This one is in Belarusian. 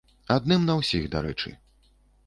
Адным на ўсіх, дарэчы.